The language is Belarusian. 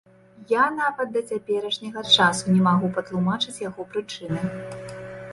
Я нават да цяперашняга часу не магу патлумачыць яго прычыны.